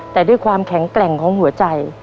แต่ด้วยความแข็งแกร่งของหัวใจ